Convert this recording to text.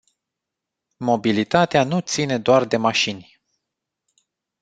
Mobilitatea nu ține doar de mașini.